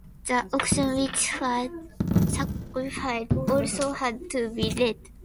The oxen which were sacrificed also had to be red.